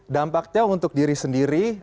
dampaknya untuk diri sendiri